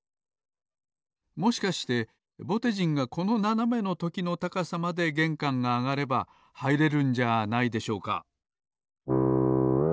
もしかしてぼてじんがこのななめのときの高さまでげんかんがあがればはいれるんじゃないでしょうか？